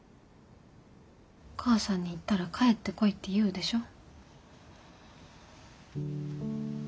お母さんに言ったら帰ってこいって言うでしょ？